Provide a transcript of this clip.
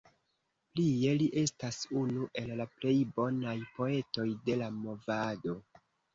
Plie li estas unu el la plej bonaj poetoj de la Movado.